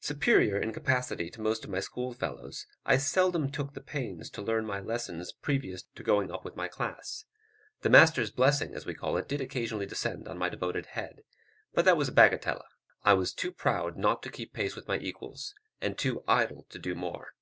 Superior in capacity to most of my schoolfellows, I seldom took the pains to learn my lesson previous to going up with my class: "the master's blessing," as we called it, did occasionally descend on my devoted head, but that was a bagatelle; I was too proud not to keep pace with my equals, and too idle to do more.